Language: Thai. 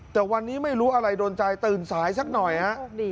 แต่วันนี้ไม่รู้อะไรโดนใจตื่นสายสักหน่อยฮะ